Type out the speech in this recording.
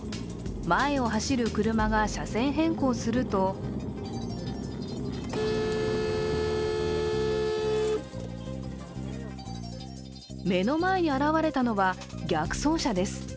前を走る車が車線変更すると目の前に現れたのは逆走車です。